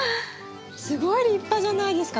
すごい立派じゃないですか？